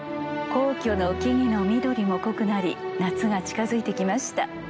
皇居の木々の緑も濃くなり夏が近づいて来ました。